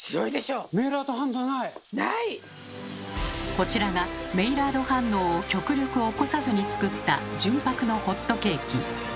こちらがメイラード反応を極力起こさずに作った純白のホットケーキ。